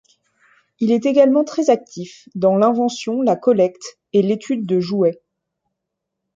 Il est également très actif dans l'invention, la collecte et l'étude de jouets.